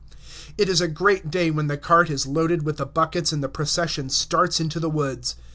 It is a great day when the cart is loaded with the buckets and the procession starts into the woods.